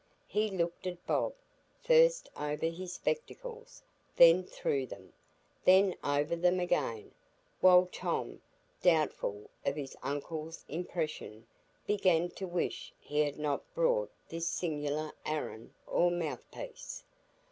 He looked at Bob, first over his spectacles, then through them, then over them again; while Tom, doubtful of his uncle's impression, began to wish he had not brought this singular Aaron, or mouthpiece.